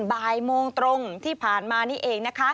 บายมองตรงที่ผ่านมาเนี่ย